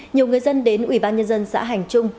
nhiều người dân đến ủy ban nhân dân xã hành trung